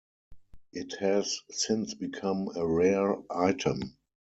It has since become a rare item.